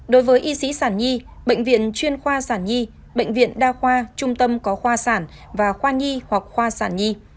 đối với y sĩ sản nhi bệnh viện chuyên khoa sản nhi bệnh viện đa khoa trung tâm có khoa sản và khoa nhi hoặc khoa sản nhi